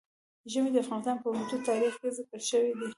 ژمی د افغانستان په اوږده تاریخ کې ذکر شوی دی.